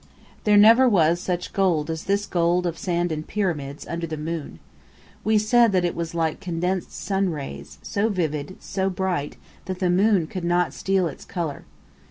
There never was such gold as this gold of sand and pyramids, under the moon! We said that it was like condensed sun rays, so vivid, so bright, that the moon could not steal its colour.